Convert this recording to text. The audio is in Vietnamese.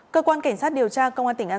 cơ quan cảnh sát điều tra công an tỉnh an giang